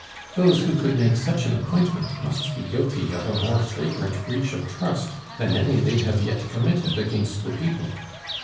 Those who could make such an appointment must be guilty of a more flagrant breach of trust than any they have yet committed against the people.